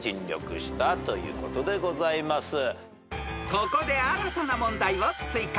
［ここで新たな問題を追加］